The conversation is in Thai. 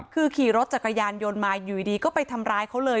คือขี่รถจักรยานยนต์มาอยู่ดีก็ไปทำร้ายเขาเลย